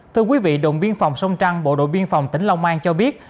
thưa quý vị đồn biên phòng sông trăng bộ đội biên phòng tỉnh long an cho biết